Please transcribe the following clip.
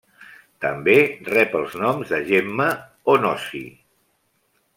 També rep els noms de Gemma o Gnosi.